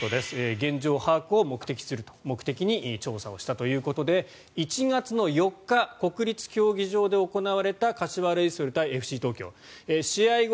現状把握を目的に調査をしたということで１月４日、国立競技場で行われた柏レイソル対ＦＣ東京試合後